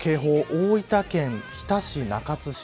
大分県日田市、中津市